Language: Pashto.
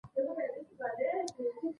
زه په ژور فکر سره پرېکړي کوم.